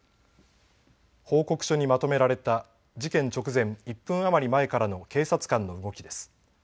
報告書にまとめられた事件直前、１分余り前からの警察官の動きです。